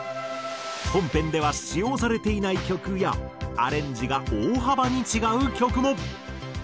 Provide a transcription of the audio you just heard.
本編では使用されていない曲やアレンジが大幅に違う曲も。